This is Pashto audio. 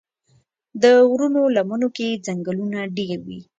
د غرونو لمنو کې ځنګلونه ډېر وي.